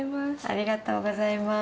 ありがとうございます。